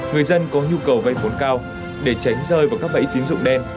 người dân có nhu cầu vay vốn cao để tránh rơi vào các bẫy tín dụng đen